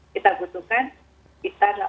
kita butuhkan sekitar delapan belas per hari